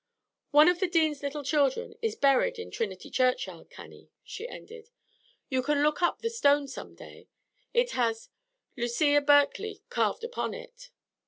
"One of the Dean's little children is buried in Trinity churchyard, Cannie," she ended; "you can look up the stone some day. It has 'Lucia Berkeley' carved upon it."